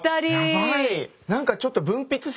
やばい。